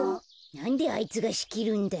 なんであいつがしきるんだよ。